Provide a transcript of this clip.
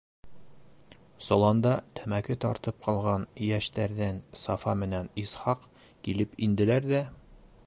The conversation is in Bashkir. Соланда тәмәке тартып ҡалған йәштәрҙән Сафа менән Исхаҡ килеп инделәр ҙә: